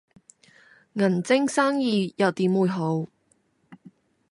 銀晶生意又點會好